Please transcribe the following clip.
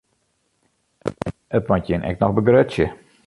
It moat jin ek noch begrutsje.